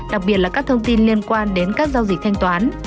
đặc biệt là các thông tin liên quan đến các giao dịch thanh toán